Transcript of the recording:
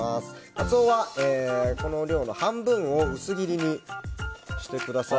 カツオはこの量の半分を薄切りにしてください。